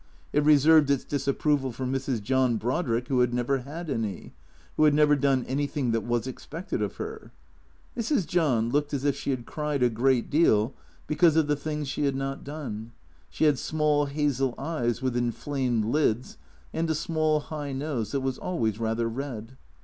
It reserved its disapproval THE CEEATOES ' 171 for Mrs. John Brodrick who had never had any; who had never done anything that was expected of her. Mrs. John looked as if she had cried a great deal because of the things she had not done. She had small hazel eyes with inflamed lids, and a small high nose that was always rather red.